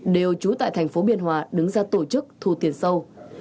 đều trú tại thành phố biên hòa đứng ra tổ chức thu tiền sâu